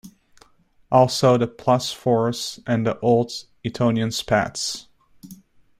Also the plus fours and the Old Etonian spats.